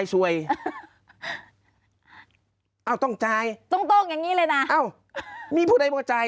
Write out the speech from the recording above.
สวยเอาต้องจ่ายตรงตรงอย่างนี้เลยน่ะเอ้ามีผู้ใดบอกจ่าย